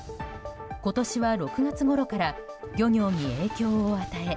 今年は６月ごろから漁業に影響を与え